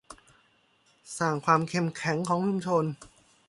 สร้างความเข้มแข็งของชุมชน